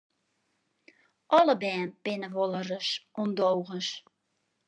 Alle bern binne wolris ûndogens.